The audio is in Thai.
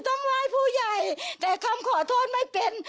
ต้องไหว้ผู้ใหญ่แต่คำขอโทษไม่เป็น